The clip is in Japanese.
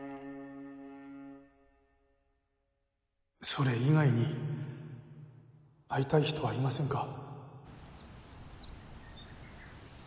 それ以外に会いたい人はいませんか？